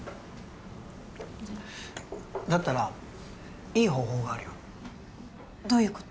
だったらいい方法があるよどういうこと？